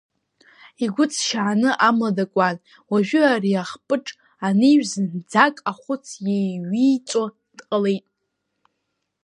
Игәы ҵшьааны амла дакуан, уажәы ари ахпыҿ анижә зынӡак ахәыц еиҩиҵәо дҟалеит.